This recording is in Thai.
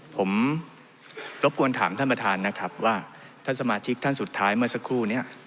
ผมรบกวนถามท่านประธานนะครับว่าท่านสมาชิกท่านสุดท้ายเมื่อสักครู่นี้